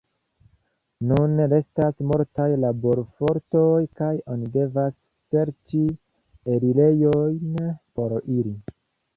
Nun restas multaj laborfortoj kaj oni devas serĉi elirejon por ili.